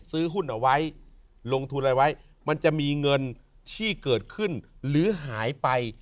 ซื้อหุ้นเอาไว้ลงทุนอะไรไว้มันจะมีเงินที่เกิดขึ้นหรือหายไป